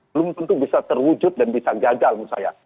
belum tentu bisa terwujud dan bisa gagal menurut saya